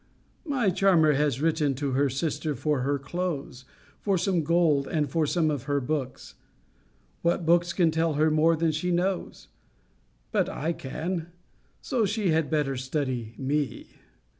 My charmer has written to her sister for her clothes, for some gold, and for some of her books. What books can tell her more than she knows? But I can. So she had better study me.